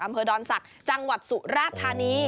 อำเภอดอนศักดิ์จังหวัดสุราธานี